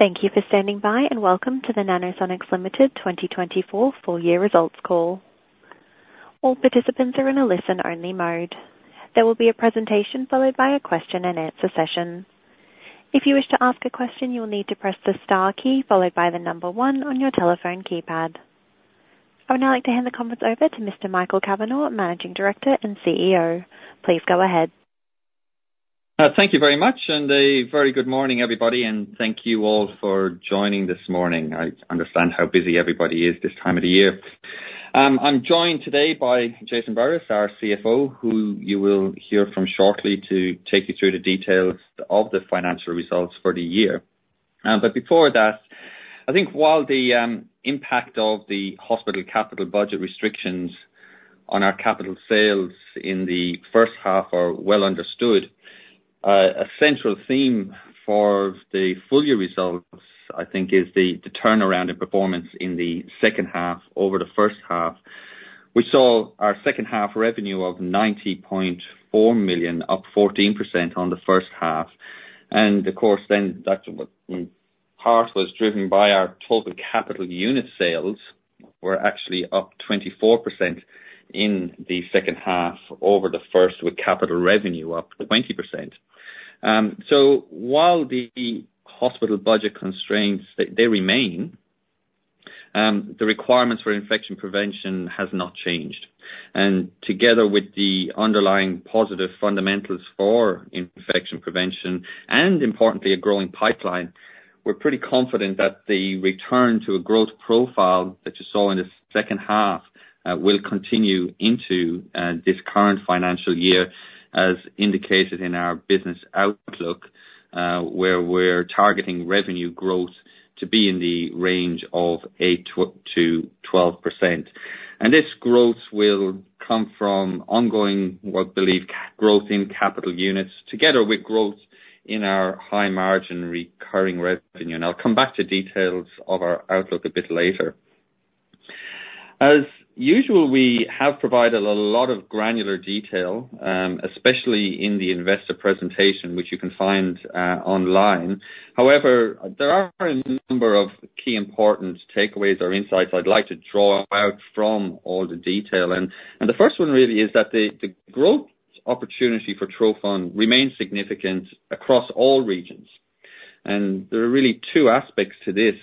Thank you for standing by, and welcome to the Nanosonics Limited 2024 full year results call. All participants are in a listen-only mode. There will be a presentation, followed by a question-and-answer session. If you wish to ask a question, you will need to press the star key followed by the number one on your telephone keypad. I would now like to hand the conference over to Mr. Michael Kavanagh, Managing Director and CEO. Please go ahead. Thank you very much, and a very good morning, everybody, and thank you all for joining this morning. I understand how busy everybody is this time of the year. I'm joined today by Jason Burriss, our CFO, who you will hear from shortly to take you through the details of the financial results for the year. But before that, I think while the impact of the hospital capital budget restrictions on our capital sales in the first half are well understood, a central theme for the full year results, I think, is the turnaround in performance in the second half over the first half. We saw our second half revenue of 90.4 million, up 14% on the first half, and of course, then that was, part was driven by our total capital unit sales were actually up 24% in the second half over the first, with capital revenue up 20%. So while the hospital budget constraints, they remain, the requirements for infection prevention has not changed, and together with the underlying positive fundamentals for infection prevention and importantly, a growing pipeline, we're pretty confident that the return to a growth profile that you saw in the second half, will continue into, this current financial year, as indicated in our business outlook, where we're targeting revenue growth to be in the range of 8%-12%. This growth will come from ongoing growth in capital units, together with growth in our high-margin recurring revenue, and I'll come back to details of our outlook a bit later. As usual, we have provided a lot of granular detail, especially in the investor presentation, which you can find online. However, there are a number of key important takeaways or insights I'd like to draw out from all the detail, and the first one really is that the growth opportunity for trophon remains significant across all regions, and there are really two aspects to this.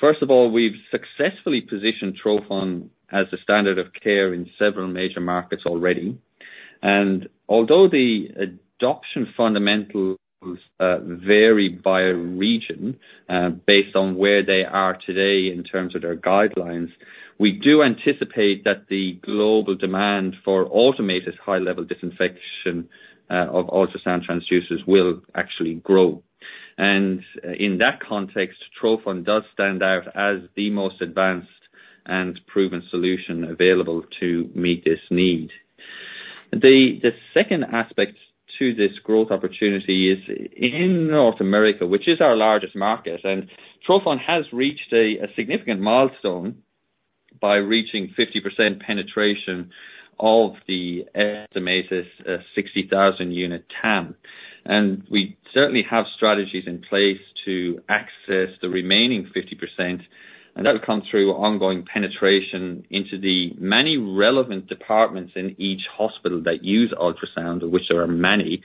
First of all, we've successfully positioned trophon as a standard of care in several major markets already, and although the adoption fundamentals vary by region based on where they are today in terms of their guidelines, we do anticipate that the global demand for automated high-level disinfection of ultrasound transducers will actually grow. In that context, trophon does stand out as the most advanced and proven solution available to meet this need. The second aspect to this growth opportunity is in North America, which is our largest market, and trophon has reached a significant milestone by reaching 50% penetration of the estimated 60,000-unit TAM. We certainly have strategies in place to access the remaining 50%, and that'll come through ongoing penetration into the many relevant departments in each hospital that use ultrasound, of which there are many,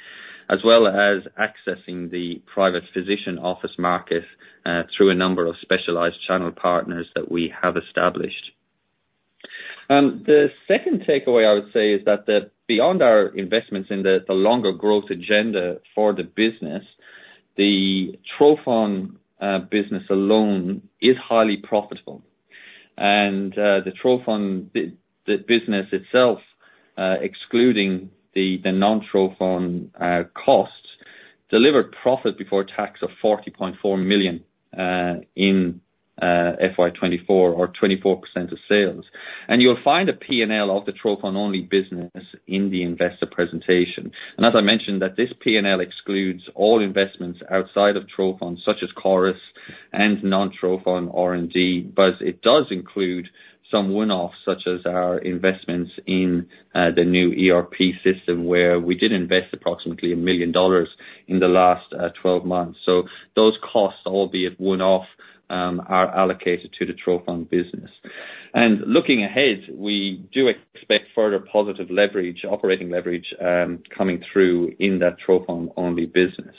as well as accessing the private physician office market through a number of specialized channel partners that we have established. The second takeaway, I would say, is that beyond our investments in the longer growth agenda for the business, the trophon business alone is highly profitable. And the trophon business itself, excluding the non-trophon costs, delivered profit before tax of 40.4 million in FY 2024, or 24% of sales. And you'll find a P&L of the trophon-only business in the investor presentation. As I mentioned, that this P&L excludes all investments outside of trophon, such as CORIS and non-trophon R&D, but it does include some one-offs, such as our investments in the new ERP system, where we did invest approximately 1 million dollars in the last 12 months. So those costs, albeit one-off, are allocated to the trophon business. Looking ahead, we do expect further positive leverage, operating leverage, coming through in that trophon-only business.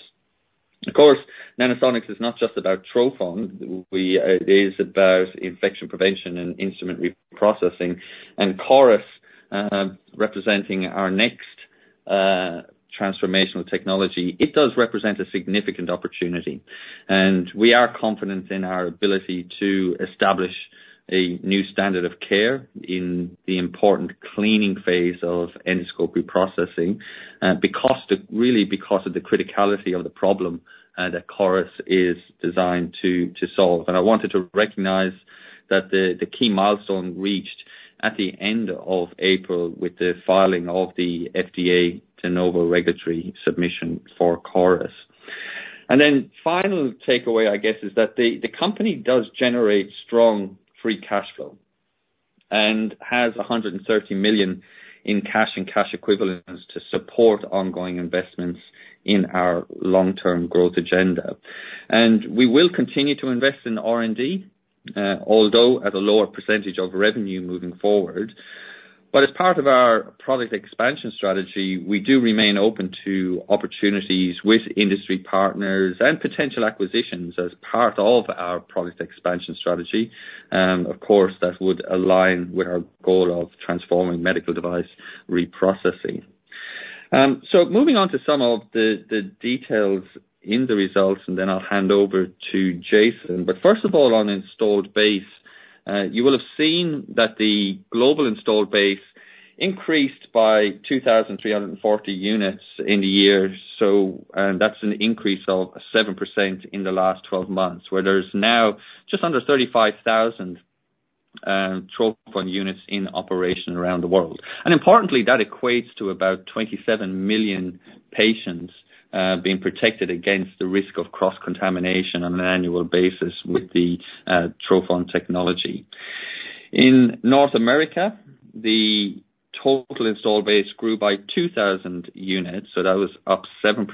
Of course, Nanosonics is not just about trophon. We, it is about infection prevention and instrument reprocessing. CORIS, representing our next transformational technology, it does represent a significant opportunity, and we are confident in our ability to establish a new standard of care in the important cleaning phase of endoscope reprocessing, because the... really because of the criticality of the problem that CORIS is designed to solve. And I wanted to recognize that the key milestone reached at the end of April with the filing of the FDA De Novo regulatory submission for CORIS. And then final takeaway, I guess, is that the company does generate strong free cash flow and has 130 million in cash and cash equivalents to support ongoing investments in our long-term growth agenda. And we will continue to invest in R&D, although at a lower percentage of revenue moving forward. But as part of our product expansion strategy, we do remain open to opportunities with industry partners and potential acquisitions as part of our product expansion strategy. Of course, that would align with our goal of transforming medical device reprocessing. So moving on to some of the details in the results, and then I'll hand over to Jason. But first of all, on installed base, you will have seen that the global installed base increased by 2,300 units in the year. So, and that's an increase of 7% in the last 12 months, where there's now just under 35,000 trophon units in operation around the world. And importantly, that equates to about 27 million patients being protected against the risk of cross-contamination on an annual basis with the trophon technology. In North America, the total install base grew by 2,000 units, so that was up 7%,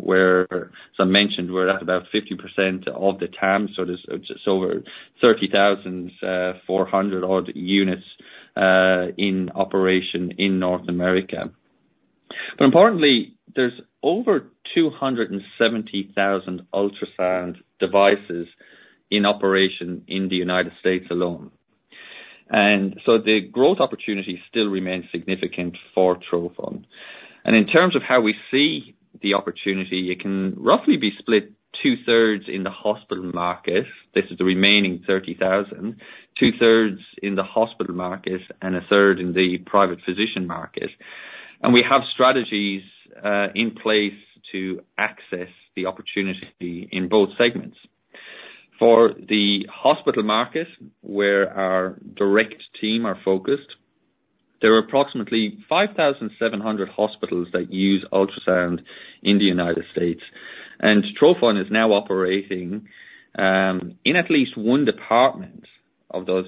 whereas I mentioned, we're at about 50% of the TAM, so there's just over 30,000, 400-odd units, in operation in North America. But importantly, there's over 270,000 ultrasound devices in operation in the United States alone. And so the growth opportunity still remains significant for trophon. And in terms of how we see the opportunity, it can roughly be split two-thirds in the hospital market. This is the remaining 30,000, two-thirds in the hospital market and a third in the private physician market. And we have strategies, in place to access the opportunity in both segments. For the hospital market, where our direct team are focused, there are approximately 5,700 hospitals that use ultrasound in the United States, and trophon is now operating in at least one department of those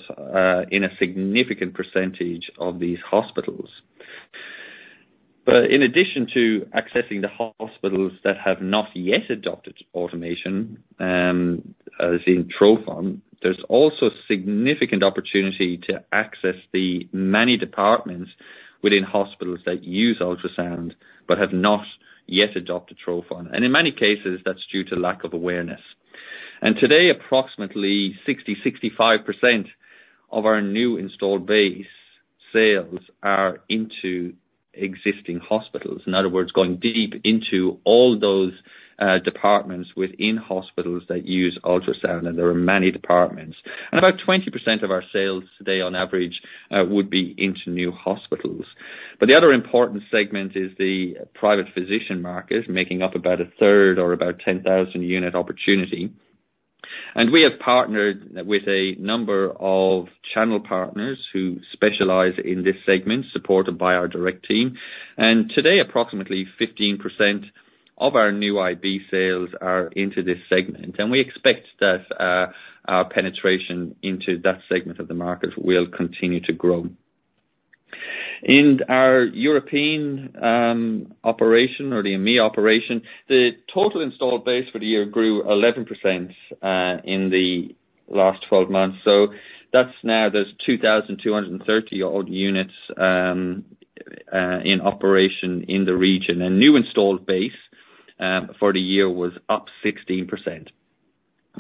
in a significant percentage of these hospitals, but in addition to accessing the hospitals that have not yet adopted automation as in trophon, there's also significant opportunity to access the many departments within hospitals that use ultrasound, but have not yet adopted trophon. And in many cases, that's due to lack of awareness. And today, approximately 60%-65% of our new installed base sales are into existing hospitals. In other words, going deep into all those departments within hospitals that use ultrasound, and there are many departments. And about 20% of our sales today, on average, would be into new hospitals. But the other important segment is the private physician market, making up about a third or about 10,000-unit opportunity. And we have partnered with a number of channel partners who specialize in this segment, supported by our direct team. And today, approximately 15% of our new IB sales are into this segment, and we expect that our penetration into that segment of the market will continue to grow. In our European operation, or the EMEA operation, the total installed base for the year grew 11% in the last 12 months. So that's now. There's 2,230-odd units in operation in the region, and new installed base for the year was up 16%.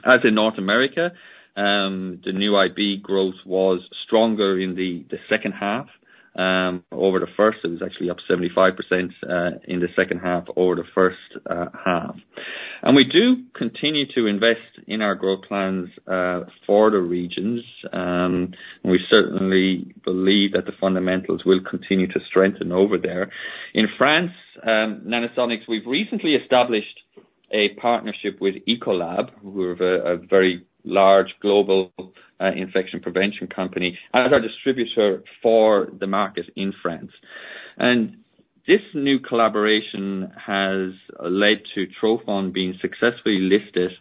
As in North America, the new IB growth was stronger in the second half over the first. It was actually up 75% in the second half over the first half. And we do continue to invest in our growth plans for the regions, and we certainly believe that the fundamentals will continue to strengthen over there. In France, Nanosonics, we've recently established a partnership with Ecolab, who are a very large global infection prevention company, as our distributor for the market in France. And this new collaboration has led to trophon being successfully listed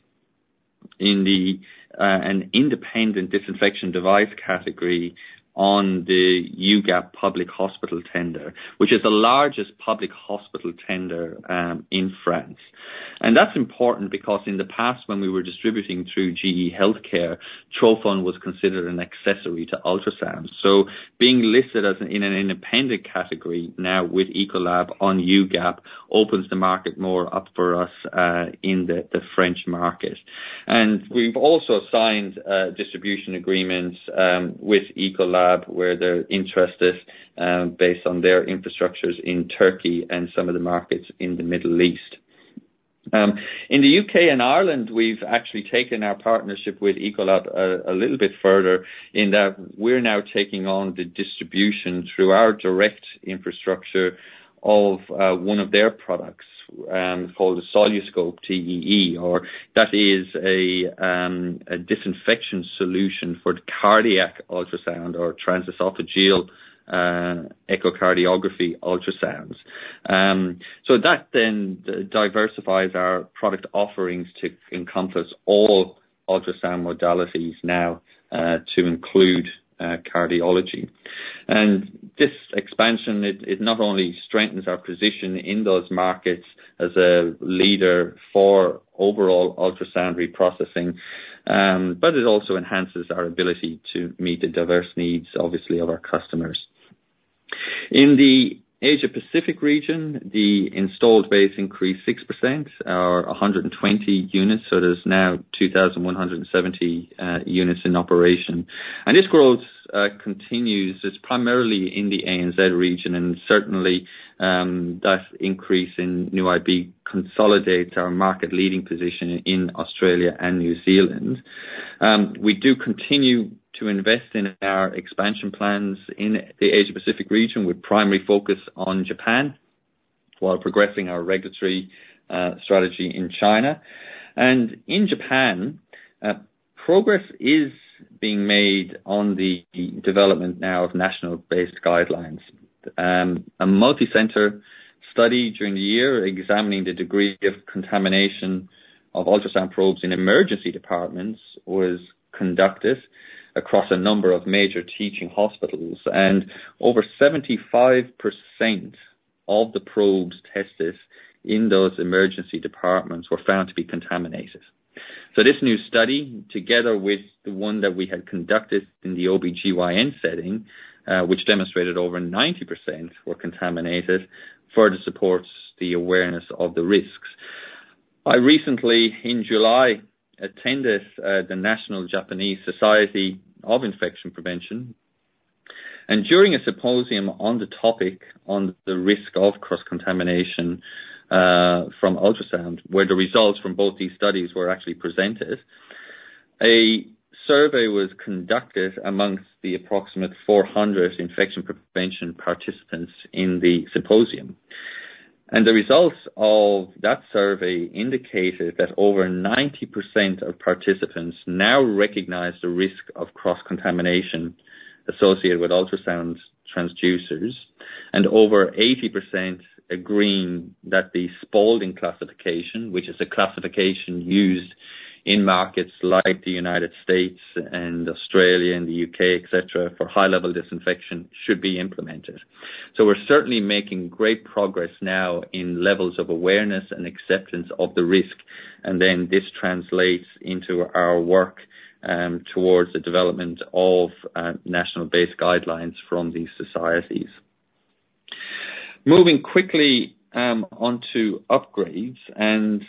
in an independent disinfection device category on the UGAP Public Hospital Tender, which is the largest public hospital tender in France. And that's important because in the past, when we were distributing through GE Healthcare, trophon was considered an accessory to ultrasounds. So being listed as an independent category now with Ecolab on UGAP opens the market more up for us in the French market. And we've also signed distribution agreements with Ecolab, where they're interested based on their infrastructures in Turkey and some of the markets in the Middle East. In the U.K. and Ireland, we've actually taken our partnership with Ecolab a little bit further, in that we're now taking on the distribution through our direct infrastructure of one of their products called the Soluscope TEE, or that is a disinfection solution for the cardiac ultrasound or transesophageal echocardiography ultrasounds. So that then diversifies our product offerings to encompass all ultrasound modalities now to include cardiology. This expansion not only strengthens our position in those markets as a leader for overall ultrasound reprocessing, but it also enhances our ability to meet the diverse needs, obviously, of our customers. In the Asia-Pacific region, the installed base increased 6%, or 120 units, so there's now 2,170 units in operation. This growth continues. It's primarily in the ANZ region, and certainly, that increase in new IB consolidates our market leading position in Australia and New Zealand. We do continue to invest in our expansion plans in the Asia-Pacific region, with primary focus on Japan, while progressing our regulatory strategy in China. In Japan, progress is being made on the development now of national-based guidelines. A multicenter study during the year, examining the degree of contamination of ultrasound probes in emergency departments, was conducted across a number of major teaching hospitals, and over 75% of the probes tested in those emergency departments were found to be contaminated. So this new study, together with the one that we had conducted in the OB/GYN setting, which demonstrated over 90% were contaminated, further supports the awareness of the risks. I recently, in July, attended the Japanese Society of Infection Prevention, and during a symposium on the topic of the risk of cross-contamination from ultrasound, where the results from both these studies were actually presented, a survey was conducted among the approximately 400 infection prevention participants in the symposium. And the results of that survey indicated that over 90% of participants now recognize the risk of cross-contamination associated with ultrasound transducers, and over 80% agreeing that the Spaulding classification, which is a classification used in markets like the United States and Australia and the U.K., et cetera, for high-level disinfection, should be implemented. So we're certainly making great progress now in levels of awareness and acceptance of the risk, and then this translates into our work, towards the development of, national-based guidelines from these societies. Moving quickly, onto upgrades, and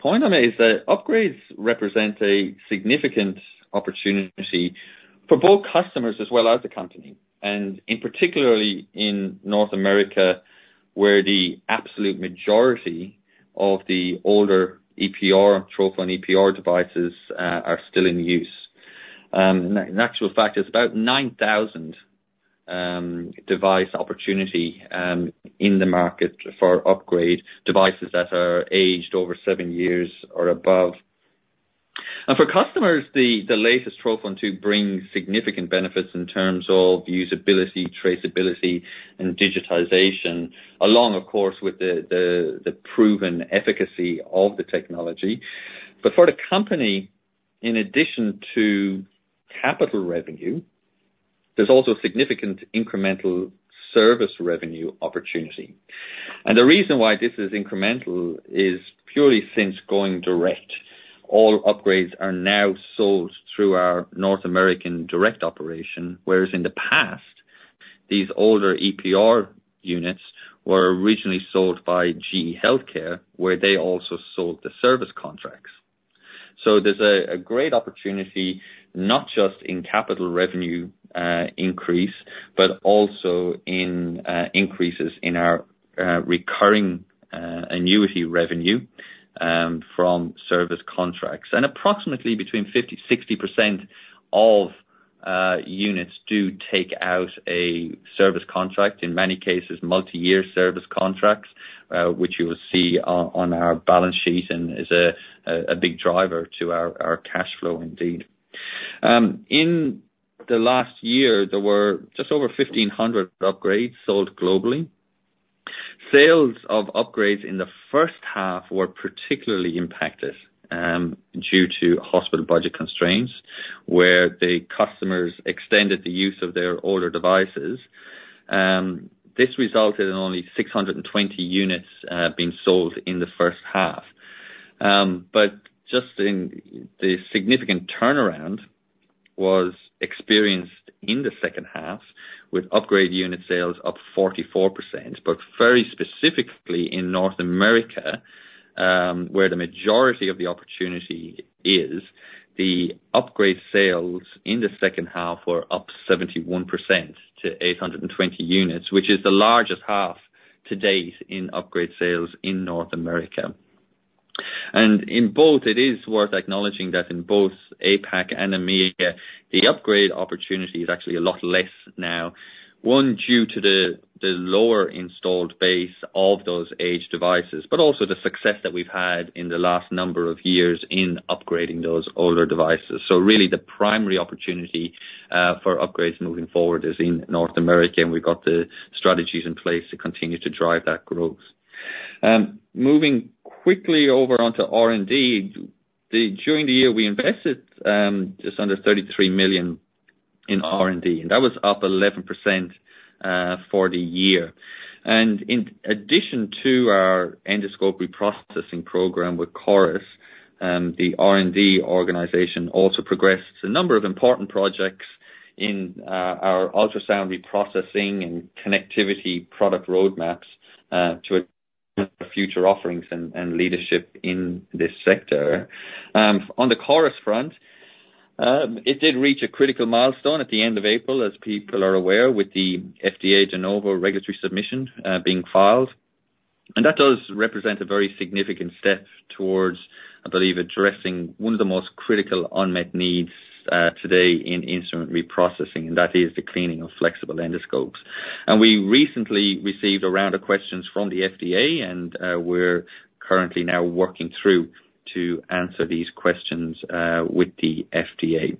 point is that upgrades represent a significant opportunity for both customers as well as the company, and in particularly in North America, where the absolute majority of the older EPR, trophon EPR devices, are still in use. In fact, it's about nine thousand device opportunity in the market for upgrade devices that are aged over seven years or above. And for customers, the latest trophon2 brings significant benefits in terms of usability, traceability, and digitization, along, of course, with the proven efficacy of the technology. But for the company, in addition to capital revenue, there's also significant incremental service revenue opportunity. And the reason why this is incremental is purely since going direct. All upgrades are now sold through our North American direct operation, whereas in the past, these older EPR units were originally sold by GE Healthcare, where they also sold the service contracts. So there's a great opportunity, not just in capital revenue increase, but also in increases in our recurring annuity revenue from service contracts. Approximately between 50%-60% of units do take out a service contract, in many cases, multi-year service contracts, which you will see on our balance sheet and is a big driver to our cash flow indeed. In the last year, there were just over 1,500 upgrades sold globally. Sales of upgrades in the first half were particularly impacted due to hospital budget constraints, where the customers extended the use of their older devices. This resulted in only 620 units being sold in the first half. But just in the significant turnaround was experienced in the second half, with upgrade unit sales up 44%, but very specifically in North America, where the majority of the opportunity is, the upgrade sales in the second half were up 71% to 820 units, which is the largest half to date in upgrade sales in North America. And in both, it is worth acknowledging that in both APAC and EMEA, the upgrade opportunity is actually a lot less now, one, due to the lower installed base of those aged devices, but also the success that we've had in the last number of years in upgrading those older devices. So really, the primary opportunity for upgrades moving forward is in North America, and we've got the strategies in place to continue to drive that growth. Moving quickly over onto R&D, during the year, we invested just under 33 million in R&D, and that was up 11% for the year, and in addition to our endoscopy processing program with CORIS, the R&D organization also progressed a number of important projects in our ultrasound reprocessing and connectivity product roadmaps to future offerings and leadership in this sector. On the CORIS front, it did reach a critical milestone at the end of April, as people are aware, with the FDA de novo regulatory submission being filed, and that does represent a very significant step towards, I believe, addressing one of the most critical unmet needs today in instrument reprocessing, and that is the cleaning of flexible endoscopes. We recently received a round of questions from the FDA, and we're currently now working through to answer these questions with the FDA.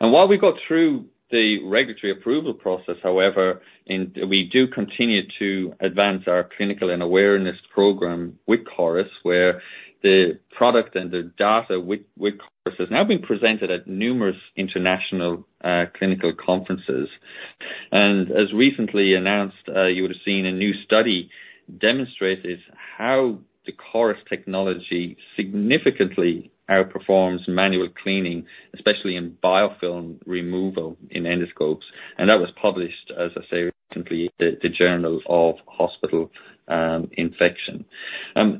While we go through the regulatory approval process, however, we do continue to advance our clinical and awareness program with CORIS, where the product and the data with CORIS has now been presented at numerous international clinical conferences. As recently announced, you would have seen a new study, demonstrates how the CORIS technology significantly outperforms manual cleaning, especially in biofilm removal in endoscopes, and that was published, as I say, recently, the Journal of Hospital Infection.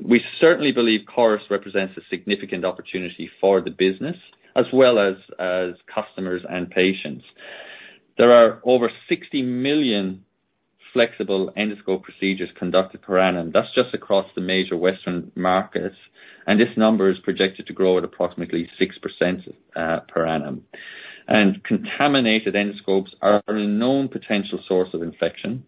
We certainly believe CORIS represents a significant opportunity for the business, as well as customers and patients. There are over 60 million flexible endoscope procedures conducted per annum. That's just across the major Western markets, and this number is projected to grow at approximately 6% per annum, and contaminated endoscopes are a known potential source of infection.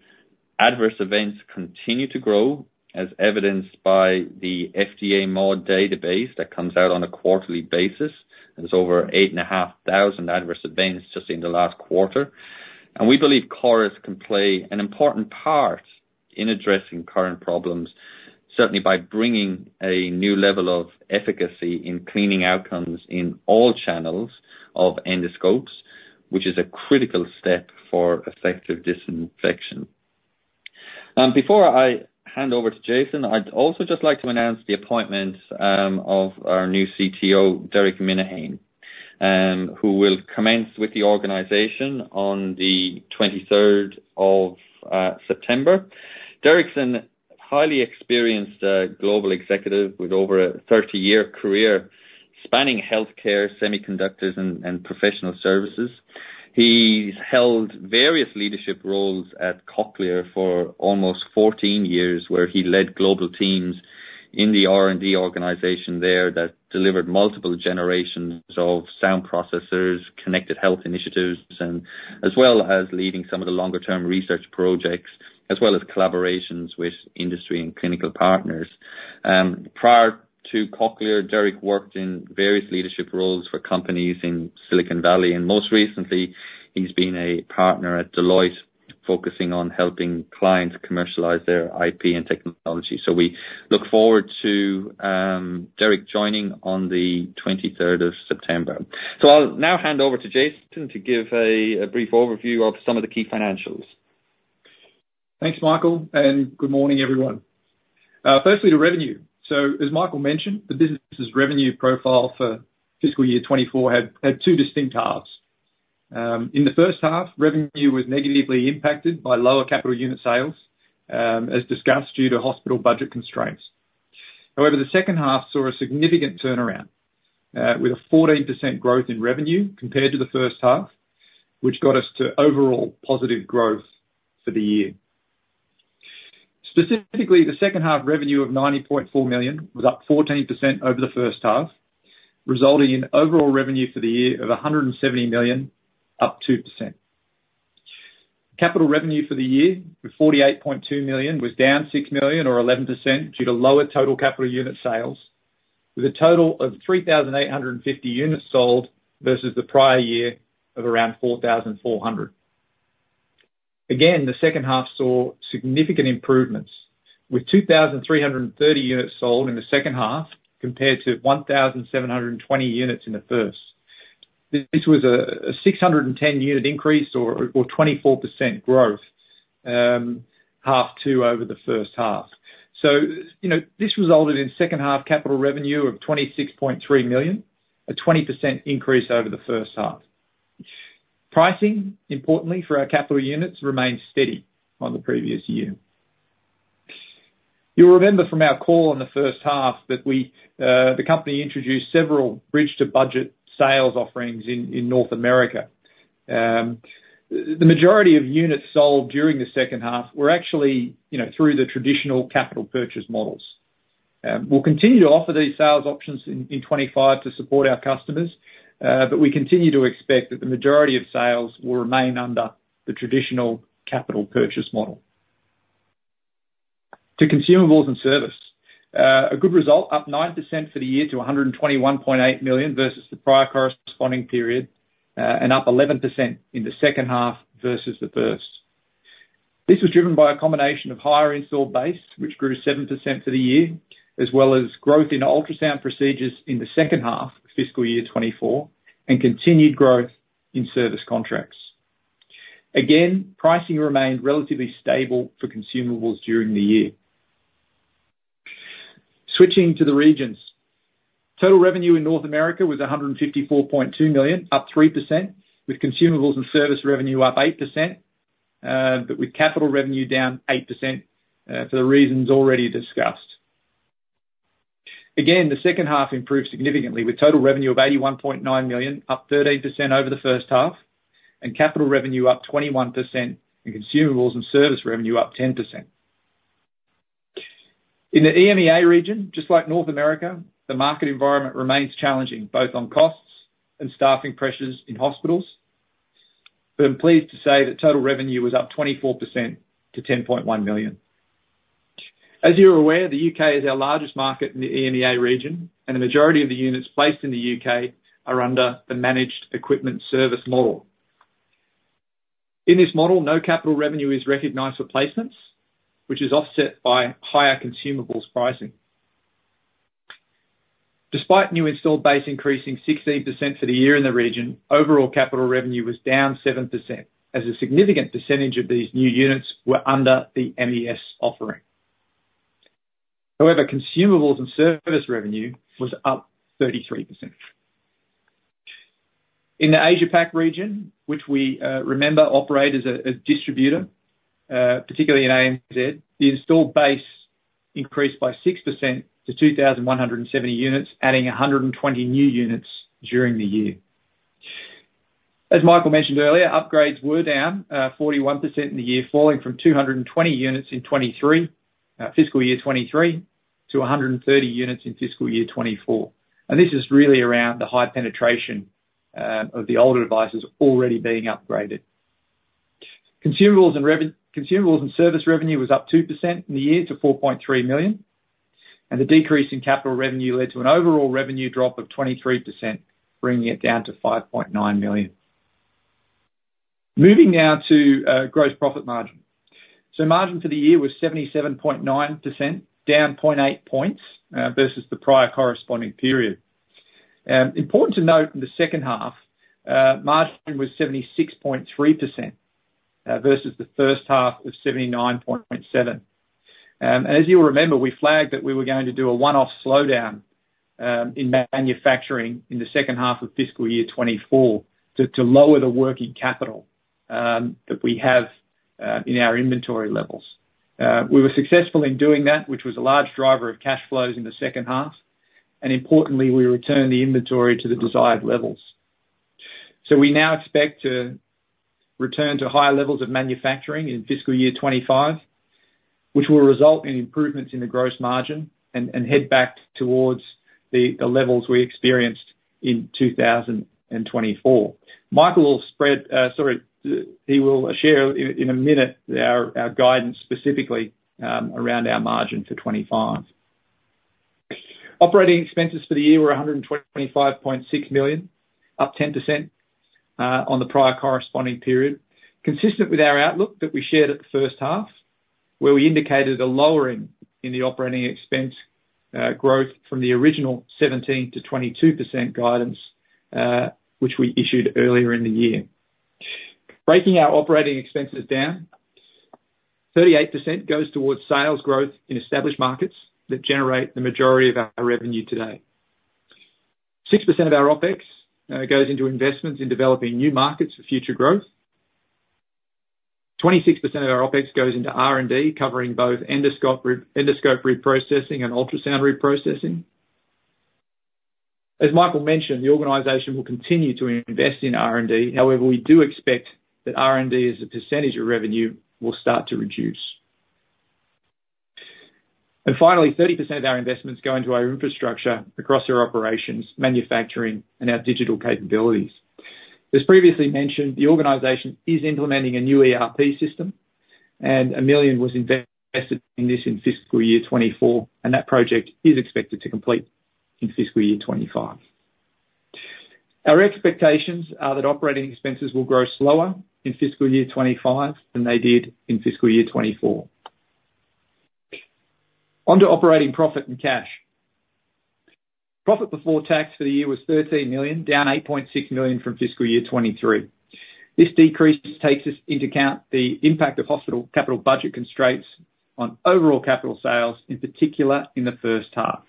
Adverse events continue to grow, as evidenced by the FDA MAUDE database that comes out on a quarterly basis. There's over 8,500 adverse events just in the last quarter, and we believe CORIS can play an important part in addressing current problems, certainly by bringing a new level of efficacy in cleaning outcomes in all channels of endoscopes, which is a critical step for effective disinfection. Before I hand over to Jason, I'd also just like to announce the appointment of our new CTO, Derek Minihane, who will commence with the organization on the 23rd of September. Derek's a highly experienced global executive with over a 30-year career, spanning healthcare, semiconductors, and professional services. He's held various leadership roles at Cochlear for almost fourteen years, where he led global teams in the R&D organization there that delivered multiple generations of sound processors, connected health initiatives, and as well as leading some of the longer-term research projects, as well as collaborations with industry and clinical partners. Prior to Cochlear, Derek worked in various leadership roles for companies in Silicon Valley, and most recently, he's been a partner at Deloitte, focusing on helping clients commercialize their IP and technology. So we look forward to Derek joining on the 23rd of September. So I'll now hand over to Jason to give a brief overview of some of the key financials. Thanks, Michael, and good morning, everyone. Firstly, to revenue. So as Michael mentioned, the business' revenue profile for fiscal year 2024 had two distinct halves. In the first half, revenue was negatively impacted by lower capital unit sales, as discussed, due to hospital budget constraints. However, the second half saw a significant turnaround, with a 14% growth in revenue compared to the first half, which got us to overall positive growth for the year. Specifically, the second half revenue of 90.4 million was up 14% over the first half, resulting in overall revenue for the year of 170 million, up 2%. Capital revenue for the year, 48.2 million, was down 6 million or 11% due to lower total capital unit sales, with a total of 3,850 units sold versus the prior year of around 4,400. Again, the second half saw significant improvements, with 2,330 units sold in the second half, compared to 1,720 units in the first. This was a 610 unit increase or 24% growth, half to over the first half. So you know, this resulted in second half capital revenue of 26.3 million, a 20% increase over the first half. Pricing, importantly for our capital units, remained steady on the previous year. You'll remember from our call in the first half that we, the company introduced several bridge to budget sales offerings in North America. The majority of units sold during the second half were actually, you know, through the traditional capital purchase models. We'll continue to offer these sales options in 2025 to support our customers, but we continue to expect that the majority of sales will remain under the traditional capital purchase model. To consumables and service. A good result, up 9% for the year to 121.8 million, versus the prior corresponding period, and up 11% in the second half versus the first. This was driven by a combination of higher installed base, which grew 7% for the year, as well as growth in ultrasound procedures in the second half of fiscal year 2024, and continued growth in service contracts. Again, pricing remained relatively stable for consumables during the year. Switching to the regions. Total revenue in North America was 154.2 million, up 3%, with consumables and service revenue up 8%, but with capital revenue down 8%, for the reasons already discussed. Again, the second half improved significantly, with total revenue of 81.9 million, up 13% over the first half, and capital revenue up 21%, and consumables and service revenue up 10%. In the EMEA region, just like North America, the market environment remains challenging, both on costs and staffing pressures in hospitals, but I'm pleased to say that total revenue was up 24% to 10.1 million. As you're aware, the U.K. is our largest market in the EMEA region, and the majority of the units placed in the U.K. are under the managed equipment service model. In this model, no capital revenue is recognized for placements, which is offset by higher consumables pricing. Despite new installed base increasing 16% for the year in the region, overall capital revenue was down 7%, as a significant percentage of these new units were under the MES offering. However, consumables and service revenue was up 33%. In the Asia-Pac region, which we primarily operate as a distributor, particularly in ANZ, the installed base increased by 6% to 2,170 units, adding 120 new units during the year. As Michael mentioned earlier, upgrades were down 41% in the year, falling from 220 units in fiscal year 2023 to 130 units in fiscal year 2024. This is really around the high penetration of the older devices already being upgraded. Consumables and service revenue was up 2% in the year to 4.3 million, and the decrease in capital revenue led to an overall revenue drop of 23%, bringing it down to 5.9 million. Moving now to gross profit margin. So margin for the year was 77.9%, down 0.8 points, versus the prior corresponding period. Important to note, in the second half, margin was 76.3%, versus the first half of 79.7%. And as you'll remember, we flagged that we were going to do a one-off slowdown, in manufacturing in the second half of fiscal year 2024, to lower the working capital that we have in our inventory levels. We were successful in doing that, which was a large driver of cash flows in the second half, and importantly, we returned the inventory to the desired levels. So we now expect to return to higher levels of manufacturing in fiscal year 2025, which will result in improvements in the gross margin and head back towards the levels we experienced in 2024. Michael will spread... Sorry, he will share in a minute our guidance specifically around our margin for 2025. Operating expenses for the year were 125.6 million, up 10% on the prior corresponding period, consistent with our outlook that we shared at the first half, where we indicated a lowering in the operating expense growth from the original 17%-22% guidance which we issued earlier in the year. Breaking our operating expenses down, 38% goes towards sales growth in established markets that generate the majority of our revenue today. 6% of our OpEx goes into investments in developing new markets for future growth. 26% of our OpEx goes into R&D, covering both endoscope reprocessing and ultrasound reprocessing. As Michael mentioned, the organization will continue to invest in R&D, however, we do expect that R&D, as a percentage of revenue, will start to reduce. And finally, 30% of our investments go into our infrastructure across our operations, manufacturing, and our digital capabilities. As previously mentioned, the organization is implementing a new ERP system, and 1 million was invested in this in fiscal year 2024, and that project is expected to complete in fiscal year 2025. Our expectations are that operating expenses will grow slower in fiscal year 2025 than they did in fiscal year 2024. Onto operating profit and cash. Profit before tax for the year was 13 million, down 8.6 million from fiscal year 2023. This decrease takes into account the impact of hospital capital budget constraints on overall capital sales, in particular, in the first half,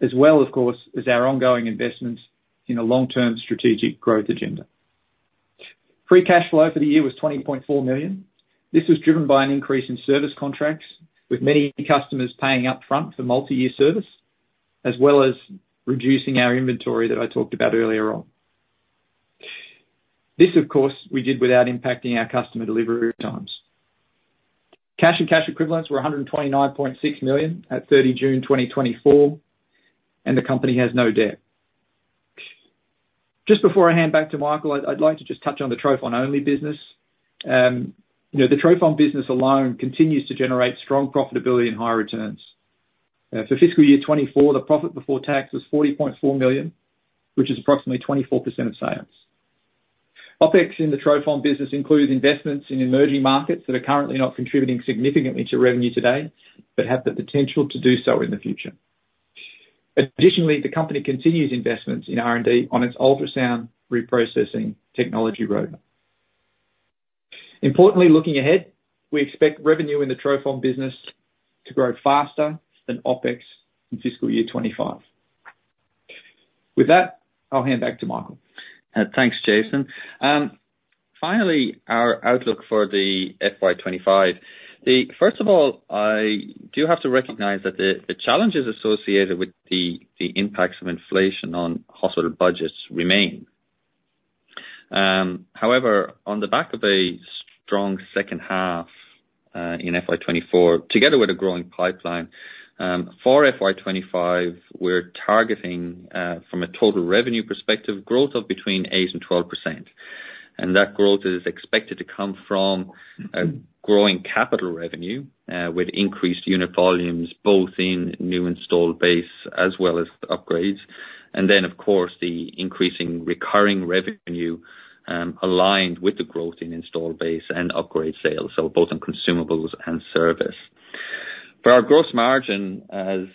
as well, of course, as our ongoing investments in a long-term strategic growth agenda. Free cash flow for the year was 20.4 million. This was driven by an increase in service contracts, with many customers paying upfront for multi-year service, as well as reducing our inventory that I talked about earlier on. This, of course, we did without impacting our customer delivery times. Cash and cash equivalents were 129.6 million at 30 June 2024, and the company has no debt. Just before I hand back to Michael, I'd, I'd like to just touch on the trophon-only business. You know, the trophon business alone continues to generate strong profitability and high returns. For fiscal year 2024, the profit before tax was 40.4 million, which is approximately 24% of sales. OpEx in the trophon business includes investments in emerging markets that are currently not contributing significantly to revenue today, but have the potential to do so in the future. Additionally, the company continues investments in R&D on its ultrasound reprocessing technology roadmap. Importantly, looking ahead, we expect revenue in the trophon business to grow faster than OpEx in fiscal year 2025. With that, I'll hand back to Michael. Thanks, Jason. Finally, our outlook for the FY 2025. First of all, I do have to recognize that the challenges associated with the impacts of inflation on hospital budgets remain. However, on the back of a strong second half in FY 2024, together with a growing pipeline for FY 2025, we're targeting from a total revenue perspective, growth of between 8% and 12%. And that growth is expected to come from a growing capital revenue with increased unit volumes, both in new installed base as well as the upgrades. And then, of course, the increasing recurring revenue aligned with the growth in installed base and upgrade sales, so both on consumables and service. For our gross margin, as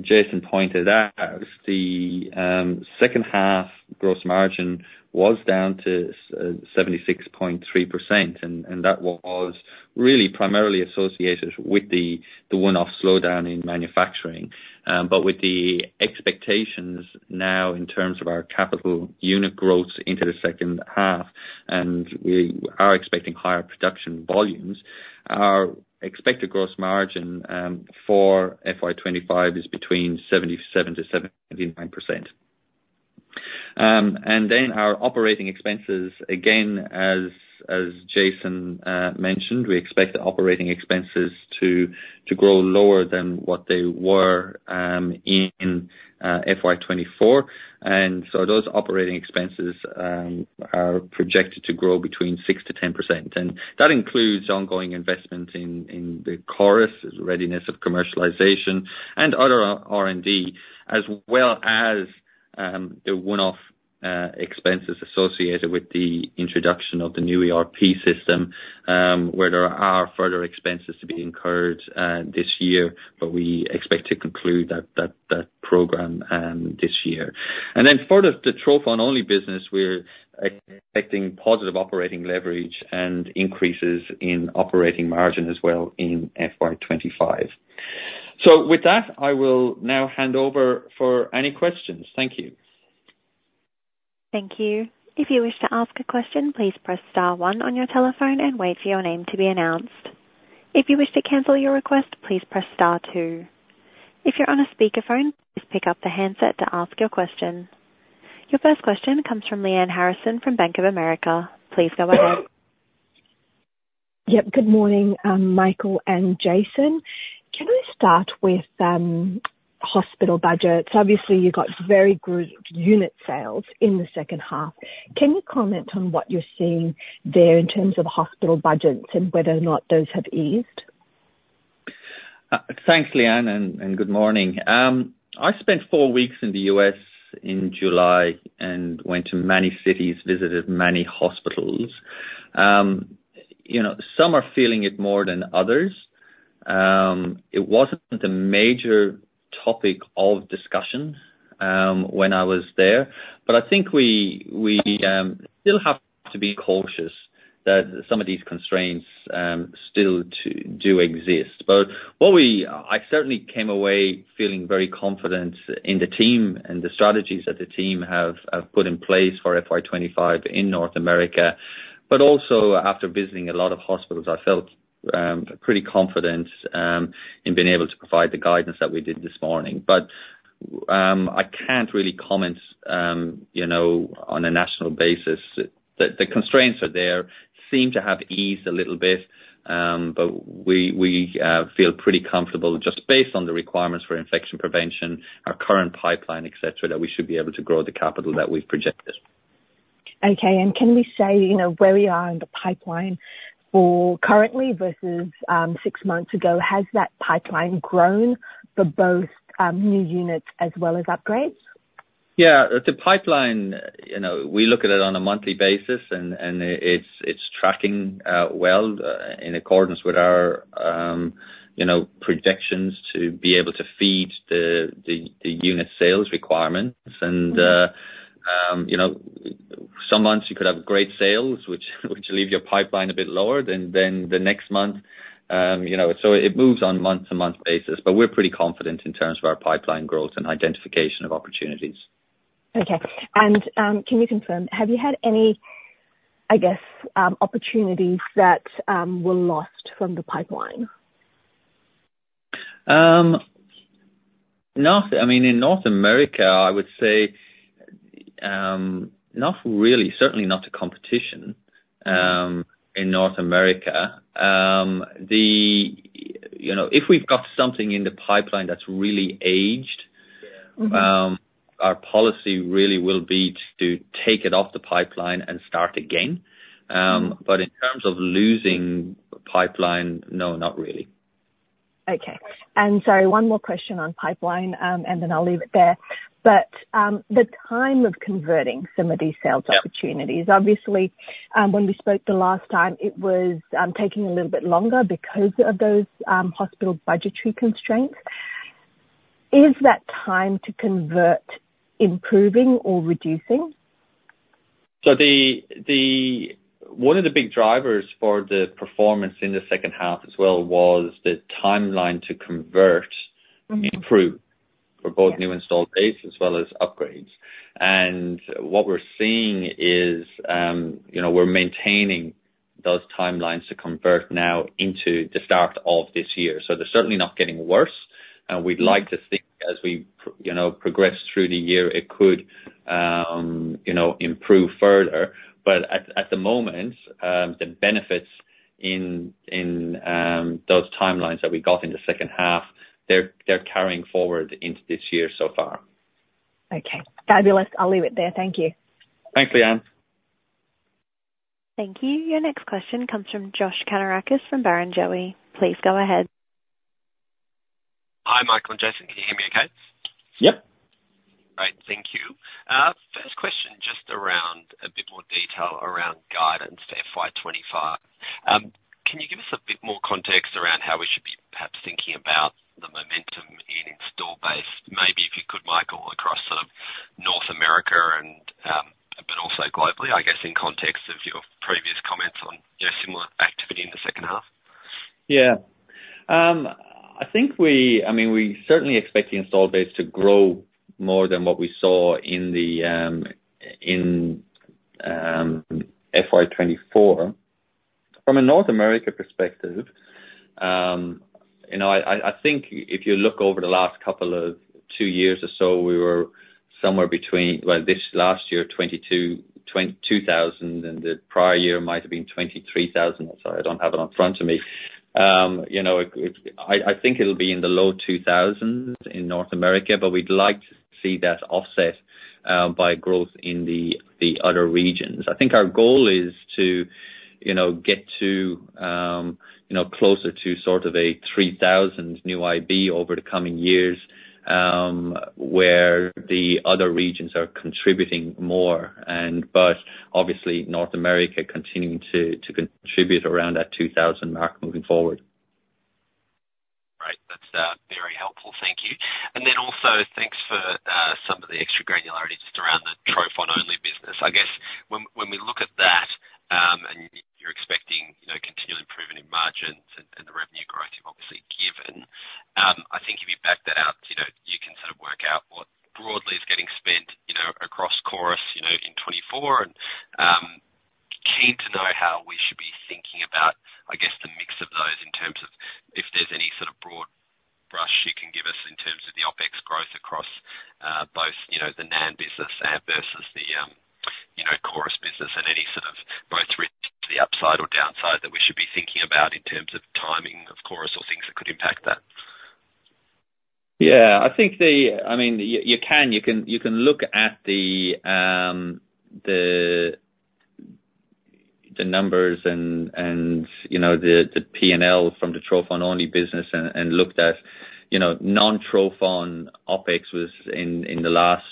Jason pointed out, the second half gross margin was down to 76.3%, and that was really primarily associated with the one-off slowdown in manufacturing. But with the expectations now in terms of our capital unit growth into the second half, and we are expecting higher production volumes, our expected gross margin for FY 2025 is between 77%-79%. And then our operating expenses, again, as Jason mentioned, we expect the operating expenses to grow lower than what they were in FY 2024. And so those operating expenses are projected to grow between 6%-10%. And that includes ongoing investment in the CORIS readiness of commercialization and other R&D, as well as the one-off expenses associated with the introduction of the new ERP system, where there are further expenses to be incurred this year, but we expect to conclude that program this year. And then for the trophon-only business, we're expecting positive operating leverage and increases in operating margin as well in FY 2025. So with that, I will now hand over for any questions. Thank you. Thank you. If you wish to ask a question, please press star one on your telephone and wait for your name to be announced. If you wish to cancel your request, please press star two. If you're on a speakerphone, please pick up the handset to ask your question. Your first question comes from Lyanne Harrison from Bank of America. Please go ahead. Yep. Good morning, Michael and Jason. Can I start with hospital budgets? Obviously, you got very good unit sales in the second half. Can you comment on what you're seeing there in terms of hospital budgets and whether or not those have eased? Thanks, Lyanne, and good morning. I spent four weeks in the U.S. in July and went to many cities, visited many hospitals. You know, some are feeling it more than others. It wasn't a major topic of discussion when I was there, but I think we still have to be cautious that some of these constraints still do exist. But what we... I certainly came away feeling very confident in the team and the strategies that the team have put in place for FY 2025 in North America. But also, after visiting a lot of hospitals, I felt pretty confident in being able to provide the guidance that we did this morning. But, I can't really comment, you know, on a national basis. The constraints are there, seem to have eased a little bit, but we feel pretty comfortable just based on the requirements for infection prevention, our current pipeline, et cetera, that we should be able to grow the capital that we've projected. Okay, and can we say, you know, where we are in the pipeline currently versus six months ago? Has that pipeline grown for both new units as well as upgrades? Yeah, the pipeline, you know, we look at it on a monthly basis, and it, it's tracking well in accordance with our, you know, projections to be able to feed the unit sales requirements. Mm-hmm. You know, some months you could have great sales, which leave your pipeline a bit lower than the next month. You know, so it moves on month-to-month basis, but we're pretty confident in terms of our pipeline growth and identification of opportunities. Okay. And, can you confirm, have you had any, I guess, opportunities that were lost from the pipeline? I mean, in North America, I would say, not really, certainly not a competition, in North America. You know, if we've got something in the pipeline that's really aged- Yeah. Our policy really will be to take it off the pipeline and start again. But in terms of losing pipeline, no, not really. Okay. And sorry, one more question on pipeline, and then I'll leave it there. But, the time of converting some of these sales opportunities- Yeah. Obviously, when we spoke the last time, it was taking a little bit longer because of those hospital budgetary constraints. Is that time to convert, improving or reducing? One of the big drivers for the performance in the second half as well was the timeline to convert- Mm-hmm... improved for both new installed base as well as upgrades. And what we're seeing is, you know, we're maintaining those timelines to convert now into the start of this year. So they're certainly not getting worse, and we'd like to think as we, you know, progress through the year, it could, you know, improve further. But at the moment, the benefits in those timelines that we got in the second half, they're carrying forward into this year so far. Okay, fabulous. I'll leave it there. Thank you. Thanks, Lyanne. Thank you. Your next question comes from Josh Kannourakis from Barrenjoey. Please go ahead. Hi, Michael and Jason, can you hear me okay? Yep. Great. Thank you. First question, just around a bit more detail around guidance to FY 2025. Can you give us a bit more context around how we should be perhaps thinking about the momentum in installed base? Maybe if you could, Michael, across sort of North America and, but also globally, I guess in context of your previous comments on, you know, similar activity in the second half. Yeah. I think we—I mean, we certainly expect the installed base to grow more than what we saw in the FY 2024. From a North America perspective, you know, I think if you look over the last couple of years or so, we were somewhere between... Well, this last year, 22,000, and the prior year might have been 23,000. Sorry, I don't have it in front of me. You know, I think it'll be in the low 2,000s in North America, but we'd like to see that offset by growth in the other regions. I think our goal is to, you know, get to, you know, closer to sort of a three thousand new installs over the coming years, where the other regions are contributing more, and but obviously North America continuing to contribute around that two thousand mark moving forward. Great. That's very helpful. Thank you. And then also, thanks for some of the extra granularity just around the trophon-only business. I guess when we look at that, and you're expecting, you know, continual improvement in margins and the revenue growth you've obviously given, I think if you back that out, you know, you can sort of work out what broadly is getting spent, you know, across CORIS, you know, in 2024. Keen to know how we should be thinking about, I guess, the mix of those in terms of if there's any sort of broad brush you can give us in terms of the OpEx growth across both, you know, the Nanosonics business versus the, you know, CORIS business, and any sort of growth to the upside or downside that we should be thinking about in terms of timing, of course, or things that could impact that. Yeah, I think. I mean, you can look at the numbers and, you know, the P&L from the trophon-only business and looked at, you know, non-trophon OpEx was in the last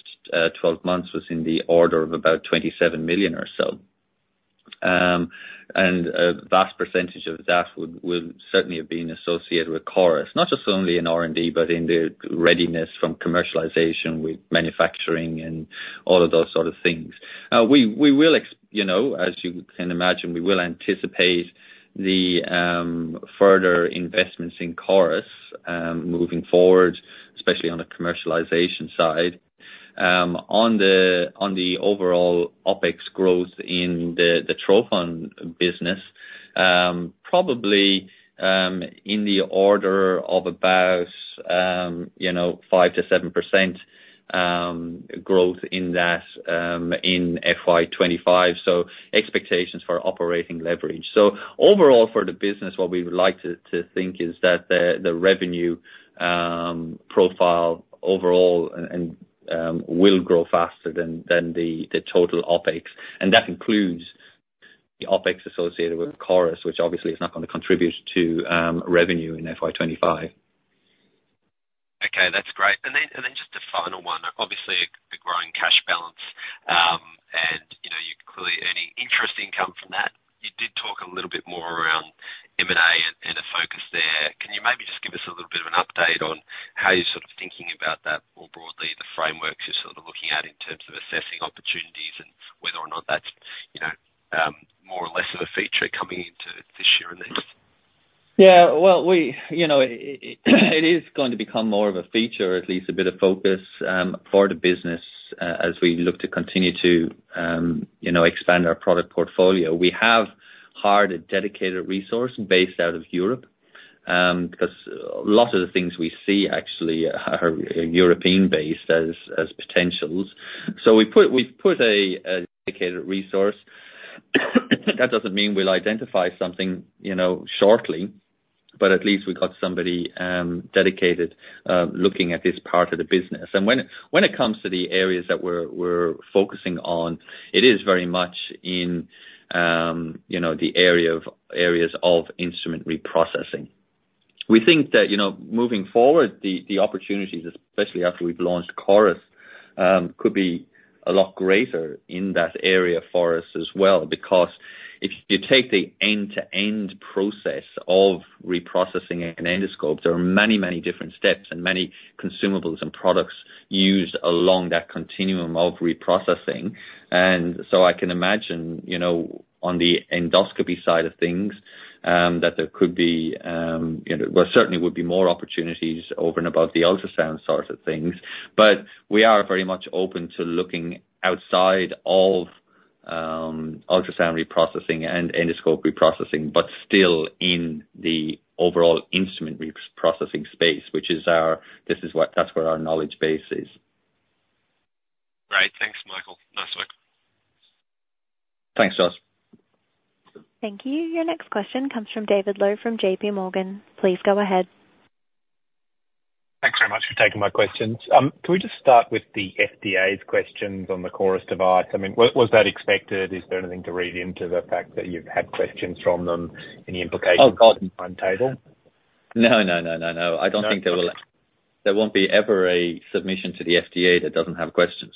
12 months, was in the order of about 27 million or so. And a vast percentage of that would certainly have been associated with CORIS. Not just only in R&D, but in the readiness from commercialization with manufacturing and all of those sort of things. We will, you know, as you can imagine, anticipate the further investments in CORIS moving forward, especially on the commercialization side. On the overall OpEx growth in the trophon business, probably in the order of about you know 5%-7% growth in that in FY 2025, so expectations for operating leverage. So overall for the business what we would like to think is that the revenue profile overall and will grow faster than the total OpEx and that includes the OpEx associated with CORIS which obviously is not gonna contribute to revenue in FY 2025. Okay, that's great. And then, and then just a final one. Obviously, a growing cash balance, and, you know, you're clearly earning interest income from that. You did talk a little bit more around M&A and, and a focus there. Can you maybe just give us a little bit of an update on how you're sort of thinking about that, more broadly, the frameworks you're sort of looking at in terms of assessing opportunities and whether or not that's, you know, more or less of a feature coming into this year and next? Yeah. Well, we, you know, it, it is going to become more of a feature or at least a bit of focus for the business, as we look to continue to, you know, expand our product portfolio. We have hired a dedicated resource based out of Europe, because a lot of the things we see actually are European-based as potentials. So we've put a dedicated resource. That doesn't mean we'll identify something, you know, shortly, but at least we got somebody dedicated looking at this part of the business. And when it comes to the areas that we're focusing on, it is very much in, you know, the areas of instrument reprocessing. We think that, you know, moving forward, the opportunities, especially after we've launched CORIS, could be a lot greater in that area for us as well. Because if you take the end-to-end process of reprocessing an endoscope, there are many, many different steps and many consumables and products used along that continuum of reprocessing. And so I can imagine, you know, on the endoscopy side of things, that there could be, you know, well, certainly would be more opportunities over and above the ultrasound sort of things. But we are very much open to looking outside of ultrasound reprocessing and endoscope reprocessing, but still in the overall instrument reprocessing space, that's where our knowledge base is. Great. Thanks, Michael. Nice work. Thanks, Josh. Thank you. Your next question comes from David Low from JPMorgan. Please go ahead. Thanks very much for taking my questions. Can we just start with the FDA's questions on the CORIS device? I mean, was that expected? Is there anything to read into the fact that you've had questions from them, any implications- Oh, got it. -on timetable? No, no, no, no, no. I don't think there will- No. There won't be ever a submission to the FDA that doesn't have questions.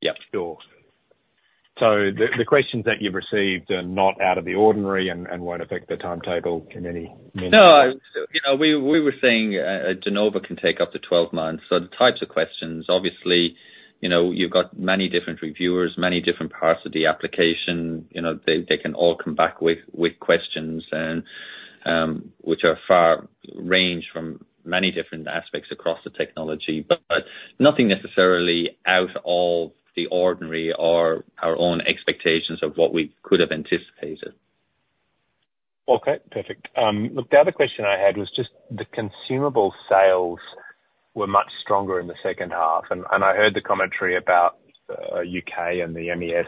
Yeah. Sure. So the questions that you've received are not out of the ordinary and won't affect the timetable in any means? No, you know, we were saying De Novo can take up to 12 months. So the types of questions, obviously, you know, you've got many different reviewers, many different parts of the application. You know, they can all come back with questions and which are far-ranging from many different aspects across the technology. But nothing necessarily out of the ordinary or our own expectations of what we could have anticipated. Okay, perfect. Look, the other question I had was just the consumable sales were much stronger in the second half, and I heard the commentary about U.K. and the MES.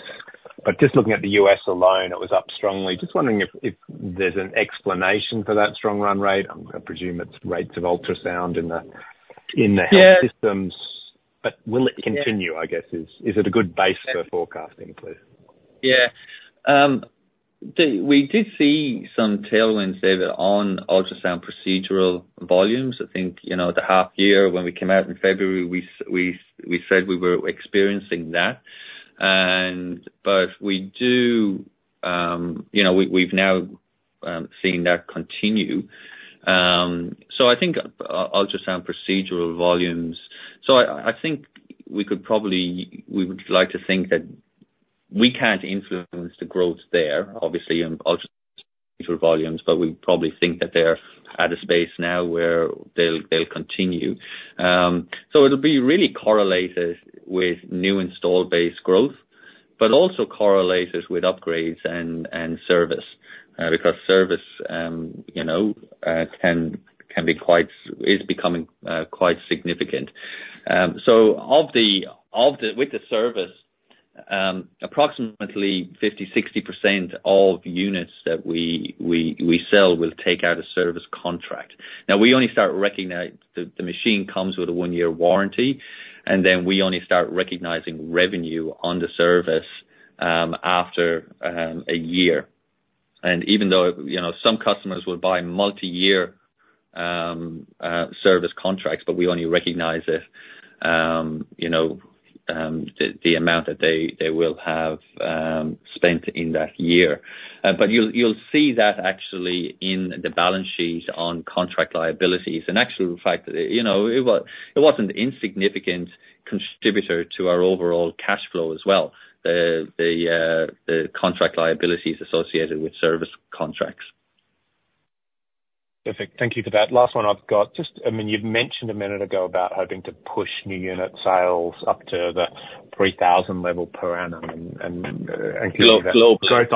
But just looking at the U.S. alone, it was up strongly. Just wondering if there's an explanation for that strong run rate. I'm gonna presume it's rates of ultrasound in the, Yeah. in the health systems. But will it continue, I guess? Is it a good base for forecasting, please? Yeah. We did see some tailwinds there on ultrasound procedural volumes. I think, you know, the half year when we came out in February, we said we were experiencing that. But we do, you know, we've now seen that continue. I think ultrasound procedural volumes. I think we could probably, we would like to think that we can't influence the growth there, obviously, in ultrasound procedural volumes, but we probably think that they're at a space now where they'll continue. It'll be really correlated with new install base growth, but also correlated with upgrades and service, because service, you know, can be quite, is becoming quite significant. So with the service, approximately 50%-60% of units that we sell will take out a service contract. Now, we only start recognizing. The machine comes with a one-year warranty, and then we only start recognizing revenue on the service after a year. And even though, you know, some customers will buy multi-year service contracts, but we only recognize it, you know, the amount that they will have spent in that year. But you'll see that actually in the balance sheet on contract liabilities. And actually, the fact that, you know, it was an insignificant contributor to our overall cash flow as well. The contract liabilities associated with service contracts. Perfect. Thank you for that. Last one I've got, just, I mean, you've mentioned a minute ago about hoping to push new unit sales up to the three thousand level per annum, and. Glob- globally.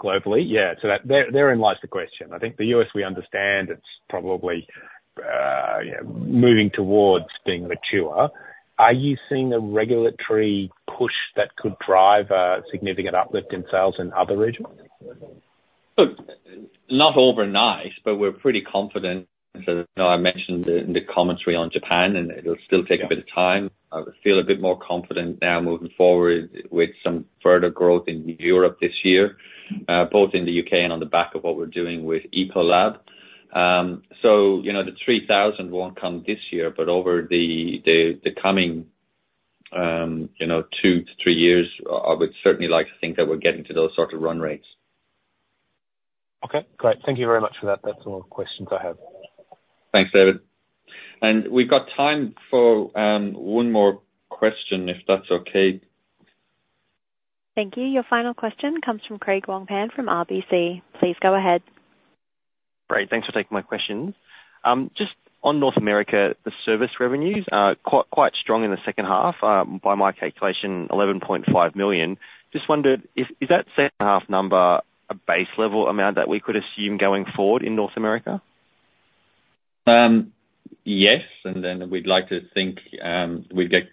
Globally, yeah. So that, therein lies the question. I think the U.S., we understand, it's probably moving towards being mature. Are you seeing a regulatory push that could drive a significant uplift in sales in other regions? Look, not overnight, but we're pretty confident. So, you know, I mentioned the commentary on Japan, and it'll still take a bit of time. I feel a bit more confident now moving forward with some further growth in Europe this year, both in the U.K. and on the back of what we're doing with Ecolab. So, you know, the 3,000 won't come this year, but over the coming, you know, two to three years, I would certainly like to think that we're getting to those sort of run rates. Okay, great. Thank you very much for that. That's all the questions I have. Thanks, David. And we've got time for one more question, if that's okay. Thank you. Your final question comes from Craig Wong-Pan from RBC. Please go ahead. Great. Thanks for taking my questions. Just on North America, the service revenues are quite, quite strong in the second half, by my calculation, 11.5 million. Just wondered, is that second half number a base level amount that we could assume going forward in North America?... Yes, and then we'd like to think, we'd get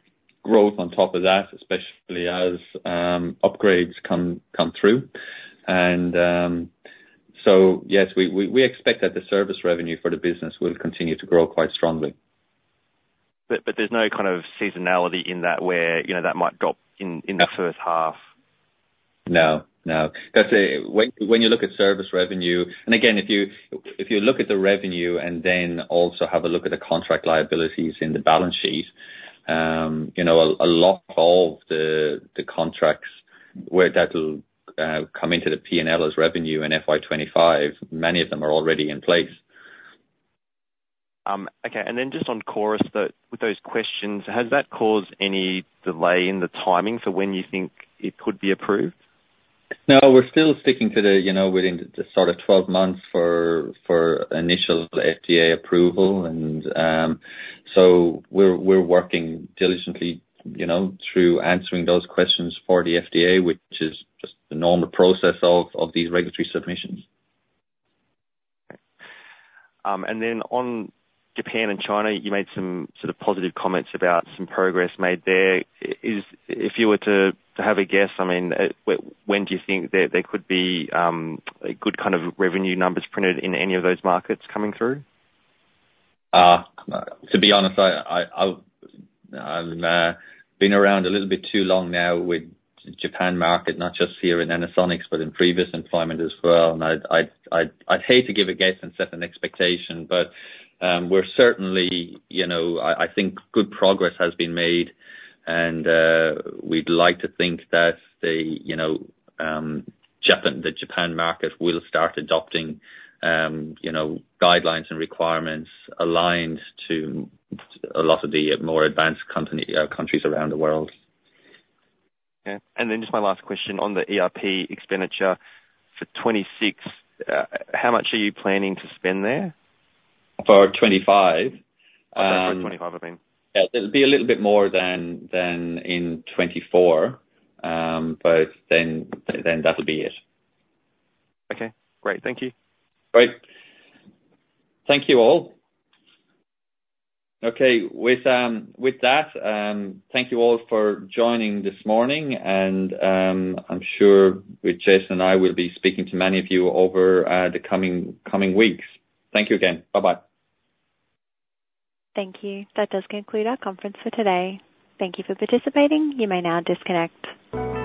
growth on top of that, especially as upgrades come through. And, so yes, we expect that the service revenue for the business will continue to grow quite strongly. But there's no kind of seasonality in that where, you know, that might drop in the first half? No, no. Because when you look at service revenue, and again, if you look at the revenue and then also have a look at the contract liabilities in the balance sheet, you know, a lot of the contracts where that'll come into the P&L as revenue in FY 2025, many of them are already in place. Okay, and then just on CORIS, with those questions, has that caused any delay in the timing for when you think it could be approved? No, we're still sticking to the, you know, within the sort of 12 months for initial FDA approval, and so we're working diligently, you know, through answering those questions for the FDA, which is just the normal process of these regulatory submissions. And then on Japan and China, you made some sort of positive comments about some progress made there. If you were to have a guess, I mean, when do you think there could be a good kind of revenue numbers printed in any of those markets coming through? To be honest, I've been around a little bit too long now with Japan market, not just here in Nanosonics, but in previous employment as well, and I'd hate to give a guess and set an expectation, but we're certainly, you know... I think good progress has been made, and we'd like to think that you know, Japan, the Japan market will start adopting, you know, guidelines and requirements aligned to a lot of the more advanced company countries around the world. Okay. And then just my last question on the ERP expenditure for 2026, how much are you planning to spend there? For 2025? For 2025, I mean. Yeah. It'll be a little bit more than in 2024, but then that'll be it. Okay, great. Thank you. Great. Thank you all. Okay, with that, thank you all for joining this morning, and I'm sure both Jason and I will be speaking to many of you over the coming weeks. Thank you again. Bye-bye. Thank you. That does conclude our conference for today. Thank you for participating. You may now disconnect.